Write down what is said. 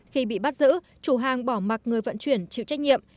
khi bị bắt giữ chủ hàng bỏ mặt người vận chuyển chịu trách nhiệm